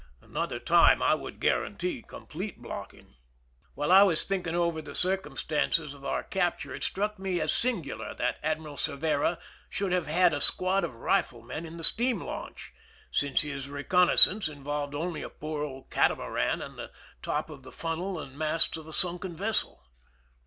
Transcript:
Another time I would guarantee complete blocking. While I was thinking over the circumstances of our capture it struck me as singular that Admiral Cervera should have had a squad of riflemen in the steam launch, since his reconnaissance involved only a poor old catamaran and the top of the funnel and the masts of a sunken vessel.